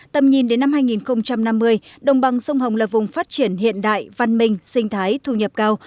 tầm nhìn đến năm hai nghìn năm mươi đồng bằng sông hồng là vùng phát triển hiện đại văn minh sinh thái thu nhập cao